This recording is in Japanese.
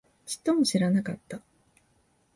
ちっとも知らなかった